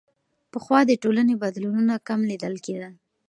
پخوا د ټولنې بدلونونه کم لیدل کېدل.